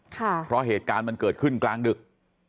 เพราะเหตุการณ์มันเกิดขึ้นกลางดึก